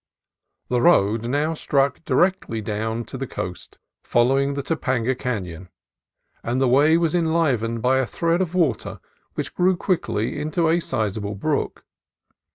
The road now struck directly down to the coast, following the To panga Canon, and the way was enlivened by a thread of water which grew quickly into a sizable brook.